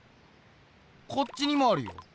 こっちにもあるよ。